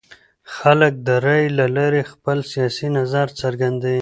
خلک د رایې له لارې خپل سیاسي نظر څرګندوي